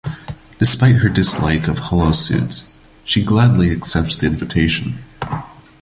Despite her dislike of holosuites, she gladly accepts the invitation.